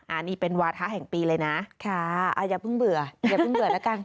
อันนี้เป็นวาถะแห่งปีเลยนะค่ะอย่าเพิ่งเบื่ออย่าเพิ่งเบื่อแล้วกัน